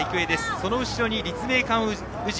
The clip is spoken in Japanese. その後ろに立命館宇治。